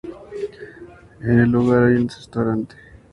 En el lugar hay un restaurante.